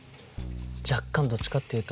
若干どっちかっていうと。